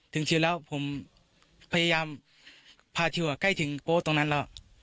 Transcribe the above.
ถึงชีวิตแล้วผมพยายามพาที่หัวใกล้ถึงโป๊ะตรงนั้นแล้ว